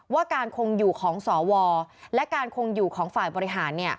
ว่าการคงอยู่ของสวและการคงอยู่ของฝ่ายบริหาร